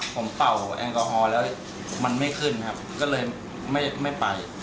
ผมเป่าแอลกอฮอล์แล้วมันไม่ขึ้นครับก็เลยไม่ไป